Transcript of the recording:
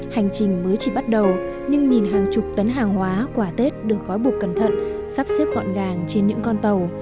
hành trình mới chỉ bắt đầu nhưng nhìn hàng chục tấn hàng hóa quả tết được gói bục cẩn thận sắp xếp gọn gàng trên những con tàu